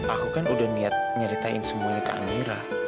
aku kan udah niat nyeritain semuanya ke anura